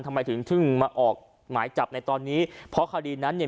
ทำไมถึงถึงมาออกหมายจับในตอนนี้เพราะคดีนั้นเนี่ย